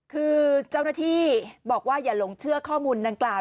คือเจ้าหน้าที่บอกว่าอย่าหลงเชื่อข้อมูลดังกล่าว